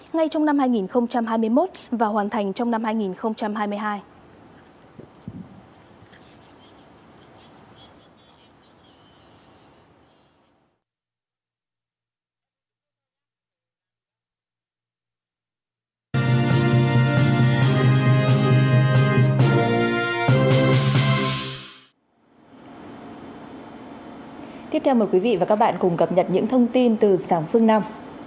ngay trong năm hai nghìn hai mươi một và hoàn thành trong năm hai nghìn hai mươi hai